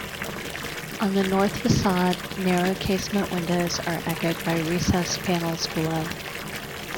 On the north facade, narrow casement windows are echoed by recessed panels below.